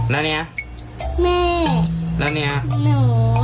แล้วเนี่ยแม่แล้วเนี่ยหนู